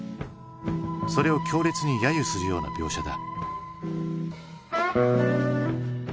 それを強烈に揶揄するような描写だ。